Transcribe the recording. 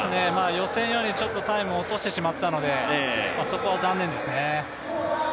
予選よりもタイムを落としてしまったのでそこは残念ですね。